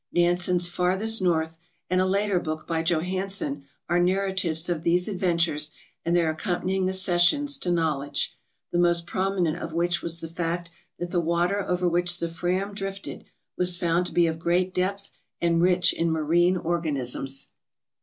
Nansen's " Farthest North," and a later book by Johannesen, are narratives of these adventures and their accompanying accessions to knowledge, the most prominent of which was the fact that the water over which the "Fram" drifted was found to be of great depth and rich in marine organisms.